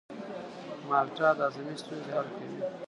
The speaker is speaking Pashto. مالټه د هاضمې ستونزې حل کوي.